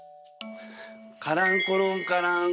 カランコロンカラン。